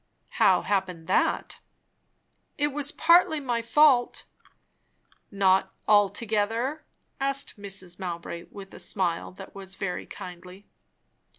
"How happened that?" "It was partly my fault." "Not altogether?" Mrs. Mowbray asked with a smile that was very kindly.